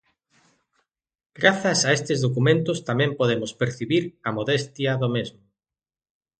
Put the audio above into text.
Grazas a estes documentos tamén podemos percibir a modestia do mesmo.